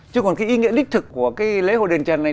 chứ còn cái ý nghĩa đích thực của cái lễ hội đền trần này